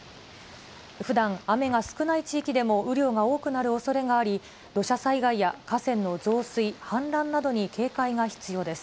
ふだん、雨が少ない地域でも雨量が多くなるおそれがあり、土砂災害や河川の増水、氾濫などに警戒が必要です。